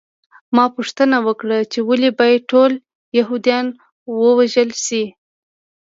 ما پوښتنه وکړه چې ولې باید ټول یهودان ووژل شي